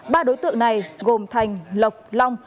ba đối tượng này gồm thành lộc long